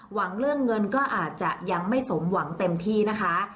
หวังเรื่องเงินก็อาจจะยังไม่สมหวังเต็มที่นะคะ